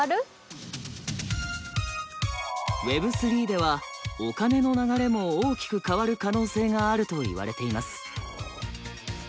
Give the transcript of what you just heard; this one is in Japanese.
Ｗｅｂ３ではお金の流れも大きく変わる可能性があるといわれています。